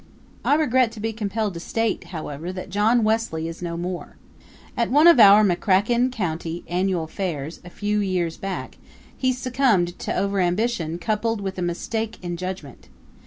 I regret to be compelled to state, however, that John Wesley is no more. At one of our McCracken County annual fairs, a few years back, he succumbed to overambition coupled with a mistake in judgment.